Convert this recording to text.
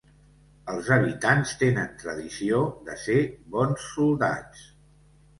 Els habitants tenen tradició de ser bons soldats.